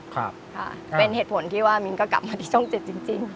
ค่ะเป็นเหตุผลที่ว่ามินก็กลับมาที่ช่องเจ็ดจริง